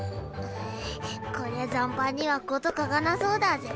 こりゃ残飯には事欠かなそうだぜ。